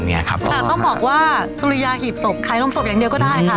แต่ต้องบอกว่าสุริยาหีบศพขายโรงศพอย่างเดียวก็ได้ค่ะ